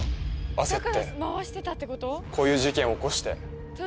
焦ってこういう事件起こして。